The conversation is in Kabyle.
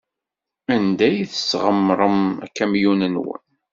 Anda ay tesɣemrem akamyun-nwen?